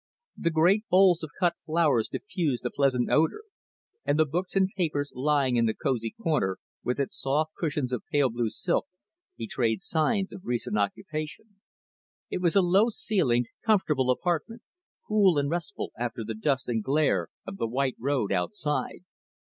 The great bowls of cut flowers diffused a pleasant odour, and the books and papers lying in the cosy corner, with its soft cushions of pale blue silk, betrayed signs of recent occupation. It was a low ceilinged, comfortable apartment, cool and restful after the dust and glare of the white road outside.